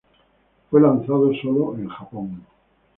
Fue lanzado sólo en Japón.